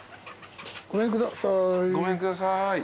ごめんください。